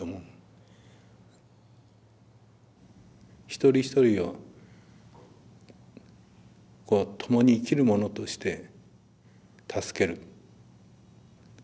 一人一人をともに生きる者として助ける。